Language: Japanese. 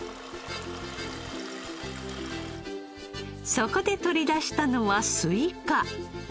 そこで取り出したのはスイカ。